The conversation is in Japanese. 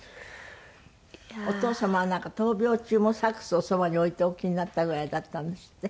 お父様はなんか闘病中もサックスをそばに置いておきになったぐらいだったんですって？